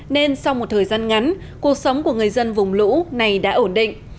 nên sau một thời gian ngắn cuộc sống của người dân vùng lũ này đã ổn định